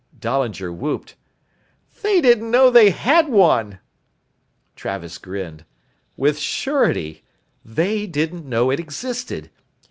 Dahlinger w h o o p e d. "They didn't know they had one!" Travis grinned. "With surety. They didn't know it existed.